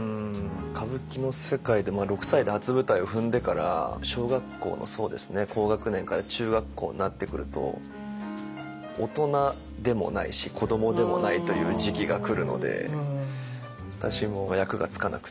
歌舞伎の世界で６歳で初舞台を踏んでから小学校の高学年から中学校になってくると大人でもないし子どもでもないという時期が来るので私も役がつかなくって。